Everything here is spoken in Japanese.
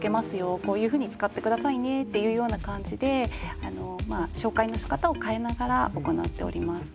「こういうふうに使ってくださいね」っていうような感じで紹介の仕方を変えながら行っております。